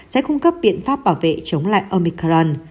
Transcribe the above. sẽ cung cấp biện pháp bảo vệ chống lại omicron